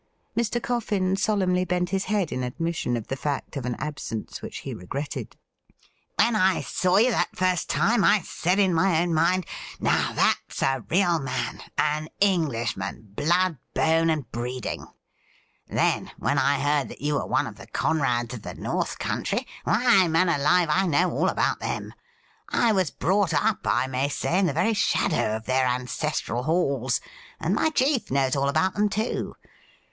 Mr. Coffin solemnly bent his head in admission of the fact of an absence which he regretted. 'When I saw you that first time, I said in my own mind, " Now, that's a real man, an Englishman — blood. RECRUITING SERGEANT WALEY 93 bone, and breeding." Then, when I heard that you were one of the Conrads of the North Country — why, man alive, I know all about them ! I was brought up, I may say, in the very shadow of their ancestral halls, and my chief knows all about them too.